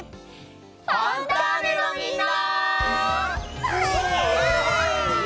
「ファンターネ！」のみんな！